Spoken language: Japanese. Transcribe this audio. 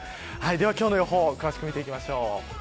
今日の予報詳しく見ていきましょう。